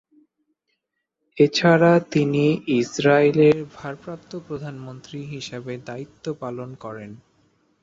এছাড়া তিনি ইসরায়েলের ভারপ্রাপ্ত প্রধানমন্ত্রী হিসেবে দায়িত্ব পালন করেন।